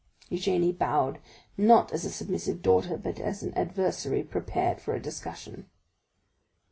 Eugénie bowed, not as a submissive daughter, but as an adversary prepared for a discussion.